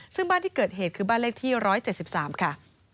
ซึ่งบ้านที่เกิดเหตุคือบ้านเลขที่๑๗๓ค่ะ